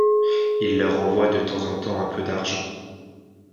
Il leur envoie de temps en temps un peu d'argent.